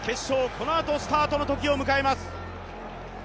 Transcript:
このあとスタートのときを迎えます。